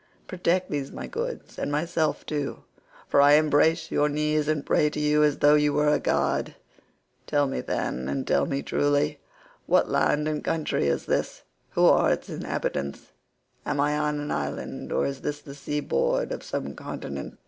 Protect these my goods, and myself too, for I embrace your knees and pray to you as though you were a god. Tell me, then, and tell me truly, what land and country is this? Who are its inhabitants? Am I on an island, or is this the sea board of some continent?"